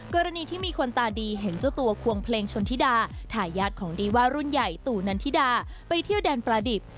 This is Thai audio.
กรณีที่มีคนตาดีเห็นเจ้าตัวควงเพลงชนธิดาทายาทของดีว่ารุ่นใหญ่ตู่นันทิดาไปเที่ยวแดนประดิบ